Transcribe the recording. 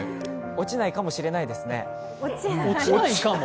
落ちないかもしれないですね。